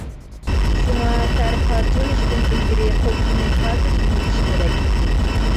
شۇڭا تەر پارچىلىنىشتىن ئىلگىرى قولتۇقنى پاكىز يۇيۇۋېتىش كېرەك.